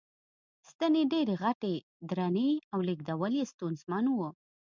ستنې ډېرې غټې، درنې او لېږدول یې ستونزمن و.